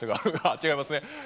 違いますね。